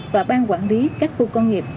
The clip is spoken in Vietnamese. và ban quản lý các khu công nghiệp